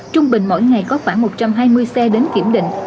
trung bình mỗi ngày có khoảng một trăm hai mươi xe đến kiểm định